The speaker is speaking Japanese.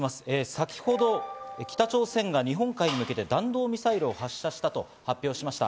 先ほど北朝鮮が日本海に向けて、弾道ミサイルを発射したと発表しました。